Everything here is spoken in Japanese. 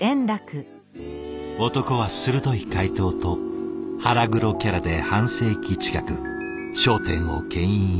男は鋭い回答と腹黒キャラで半世紀近く「笑点」をけん引し続けた。